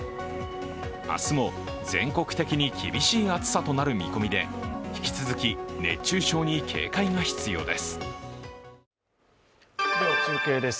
明日も全国的に厳しい暑さとなる見込みで引き続き、熱中症に警戒が必要ですでは中継です。